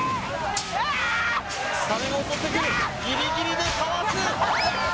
サメが襲ってくるギリギリでかわす！